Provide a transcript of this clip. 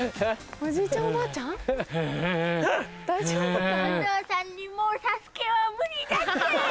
お父さんにもうＳＡＳＵＫＥは無理だって！